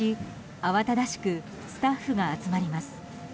慌ただしくスタッフが集まります。